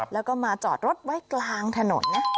แล้วก็มาจอดรถไว้กลางถนนนะ